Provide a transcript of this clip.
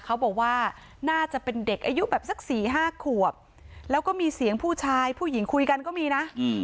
เขาบอกว่าน่าจะเป็นเด็กอายุแบบสักสี่ห้าขวบแล้วก็มีเสียงผู้ชายผู้หญิงคุยกันก็มีนะ